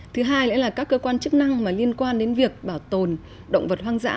thứ hai nữa là các cơ quan chức năng mà liên quan đến việc bảo tồn động vật hoang dã